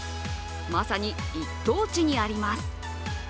まさに一等地にあります。